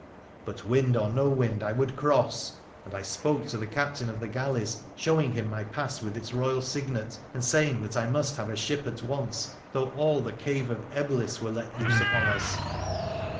But, wind or no wind, I would cross ; and I spoke to tha Q2 228 WONDERFUL ADVENTURES OF captain of the galleys, showing him my pass with its Royal signet, and saying I must have a ship at once, though all the cave of Eblis were let loose upon us.